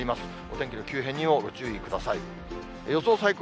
お天気の急変にもご注意ください。